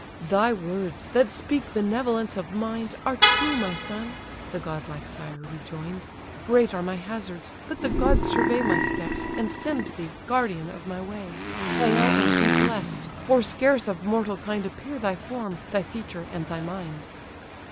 "Thy words, that speak benevolence of mind, Are true, my son! (the godlike sire rejoin'd:) Great are my hazards; but the gods survey My steps, and send thee, guardian of my way. Hail, and be bless'd! For scarce of mortal kind Appear thy form, thy feature, and thy mind."